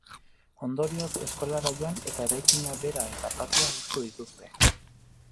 Ondorioz, eskolara joan eta eraikina bera eta patioa hustu dituzte.